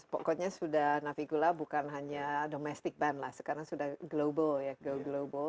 jadi pokoknya sudah navicula bukan hanya domestic band lah sekarang sudah global ya go global